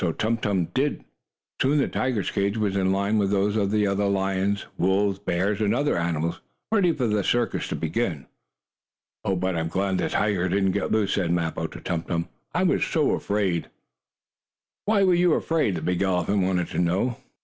Tum Tum did so. Soon the tiger's cage was in line with those of the lions, wolves, bears and other animals, ready for the circus to begin. "Oh, but I'm glad the tiger didn't get loose," said Mappo, to Tum Tum. "I was so afraid!" "Why were you afraid?" the big elephant wanted to know.